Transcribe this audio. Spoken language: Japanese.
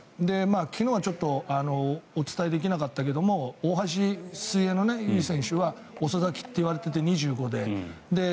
昨日はお伝えできなかったけど大橋悠依選手は遅咲きと言われていて２５歳で。